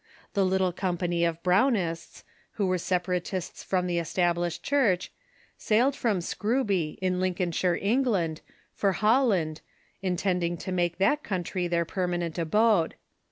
The little company of Brownists, who were Separatists from the Established Church, sailed from Scrooby, in Lincolnshire, England, for Holland, intending to make that country their permanent abode.